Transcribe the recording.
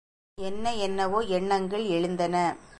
என்ன என்னவோ எண்ணங்கள் எழுந்தன.